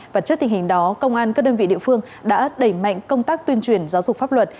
và trước tình hình đó công an các đơn vị địa phương đã đẩy mạnh công tác tuyên truyền giáo dục pháp luật